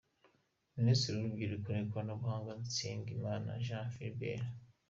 Minisitiri w’Urubyiruko n’Ikoranabuhanga : Nsengimana Jean Philbert